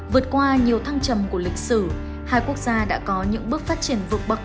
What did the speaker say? vượt qua nhiều thăng trầm của lịch sử hai quốc gia đã có những bước phát triển vượt bậc